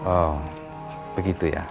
oh begitu ya